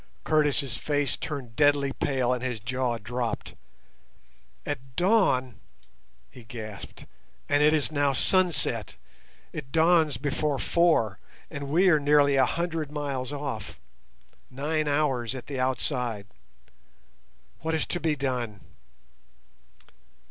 Curtis' face turned deadly pale and his jaw dropped. "At dawn," he gasped, "and it is now sunset; it dawns before four and we are nearly a hundred miles off—nine hours at the outside. What is to be done?"